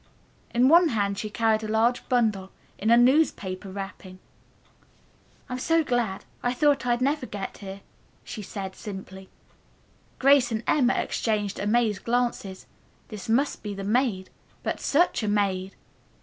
In one hand she carried a large bundle, in a newspaper wrapping. "I'm so glad. I thought I'd never get here," she said simply. Grace and Emma exchanged amazed glances. This must be the maid. But such a maid!